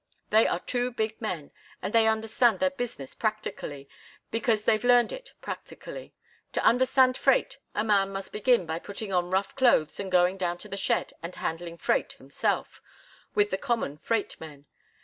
They are two big men, and they understand their business practically, because they've learned it practically. To understand freight, a man must begin by putting on rough clothes and going down to the shed and handling freight himself, with the common freight men.